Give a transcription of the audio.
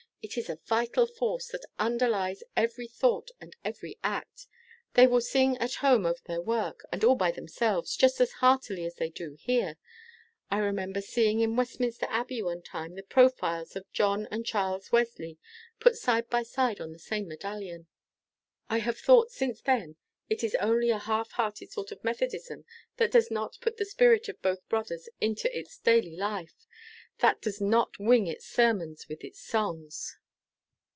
It is a vital force, that underlies every thought and every act. They will sing at home over their work, and all by themselves, just as heartily as they do here. I remember seeing in Westminster Abbey, one time, the profiles of John and Charles Wesley put side by side on the same medallion. I have thought, since then, it is only a half hearted sort of Methodism that does not put the spirit of both brothers into its daily life that does not wing its sermons with its songs."